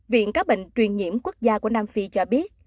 viện các bệnh truyền nhiễm quốc gia của nam phi cho biết